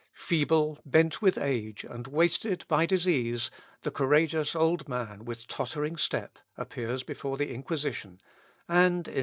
Feeble, bent with age, and wasted by disease, the courageous old man, with tottering step, appears before the Inquisition, and, in 1482, dies in its dungeons.